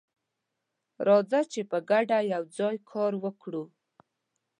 راځه چې په ګډه یوځای کار وکړو.